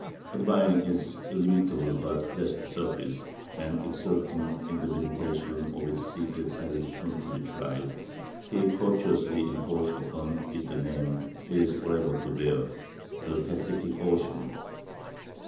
Admiring its illimitable but placid surface, and exulting in the meditation of its secret perils soon to be tried, he courteously imposed upon it the name it is forever to bear—the Pacific Ocean....